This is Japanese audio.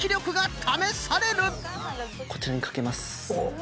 こちらにかけます。